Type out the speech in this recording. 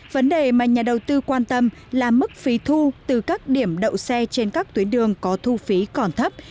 vấn đề mà nhà đầu tư quan tâm là mức phí thu từ các điểm đậu xe trên các tuyến đường có thu phí còn thấp